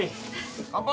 乾杯！